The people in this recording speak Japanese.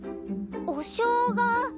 おしょうが。